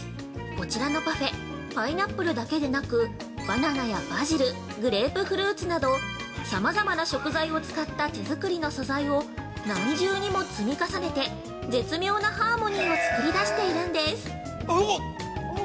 こちらのパフェパイナップルだけでなくバナナや、バジル、グレープフルーツなどさまざまな食材を使った手作りの素材を何重にも積み重ねて絶妙なハーモニーを作り出しているんです。